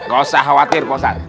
gak usah khawatir pak ustadz